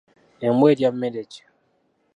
Embwa erya mmere ki?